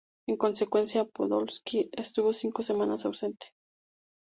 En consecuencia, Podolski estuvo cinco semanas ausente.